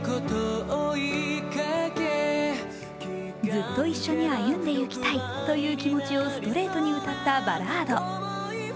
ずっと一緒に歩んでいきたいという気持ちをストレートに歌ったバラード。